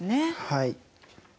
はい。